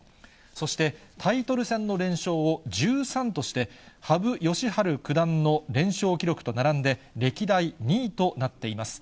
そしてタイトル戦の連勝を１３として、羽生善治九段の連勝記録と並んで、歴代２位となっています。